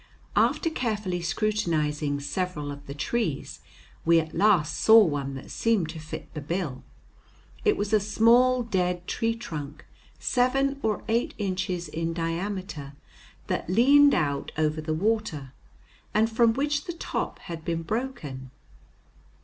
After carefully scrutinizing several of the trees, we at last saw one that seemed to fill the bill. It was a small dead tree trunk seven or eight inches in diameter, that leaned out over the water, and from which the top had been broken.